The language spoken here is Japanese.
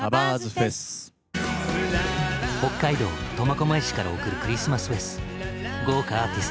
北海道苫小牧市からお送りするクリスマスフェス。